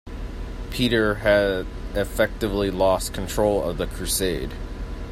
Peter had effectively lost control of the crusade.